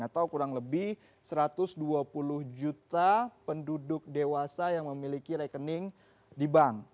atau kurang lebih satu ratus dua puluh juta penduduk dewasa yang memiliki rekening di bank